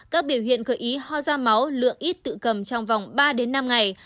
các biểu hiện gợi ý ho da máu lượng ít tự cầm trong vòng ba năm ngày